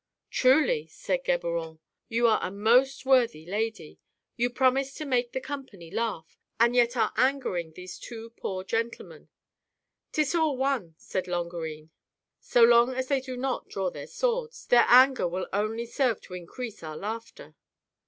"Truly," said Geburon, "you are a most worthy lady ! You promised to make the company laugh, and yet are angering these two poor gentlemen." "Tis all one," said Longarine :" so long as they FIRST T>AY: TALE VIII. 9 do not draw their swords, their anger will only serve to increase our laughter."